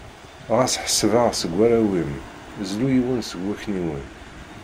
Ɣas ḥseb-aɣ seg warraw-im, zlu yiwen seg wakniwen.